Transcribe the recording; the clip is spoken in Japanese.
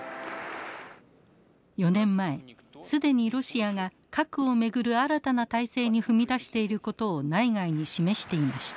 ４年前既にロシアが核を巡る新たな態勢に踏み出していることを内外に示していました。